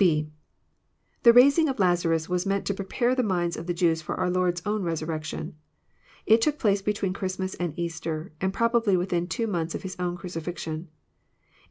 «(&) The raising of Lazarus was meant to prepare the minds of the Jews for our Lord's own resurrection. It took place between Christmas and Easter, and probably within two months of His own crucifixion.